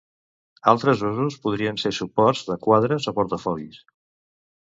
Altres usos podrien ser suports de quadres o portafolis.